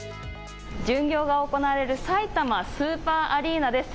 巡業が行われるさいたまスーパーアリーナです。